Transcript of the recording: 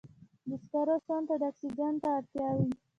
د سکرو سون ته د اکسیجن ته اړتیا وي.